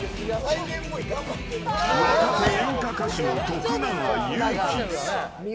若手演歌歌手の徳永ゆうき。